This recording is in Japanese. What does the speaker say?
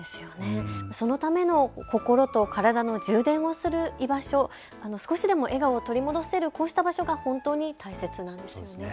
そのための心と体の充電をする居場所、少しでも笑顔を取り戻せる場所、本当に大切ですね。